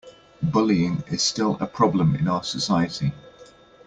Bullying is still a problem in our society.